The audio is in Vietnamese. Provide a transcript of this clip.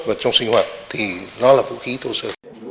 và trong sinh hoạt thì nó là vũ khí thô sơ